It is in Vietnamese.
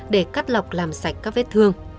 để cắt lọc làm sạch các vết thương